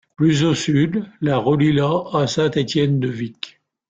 Plus au sud, la relie la à Saint-Étienne-de-Vicq.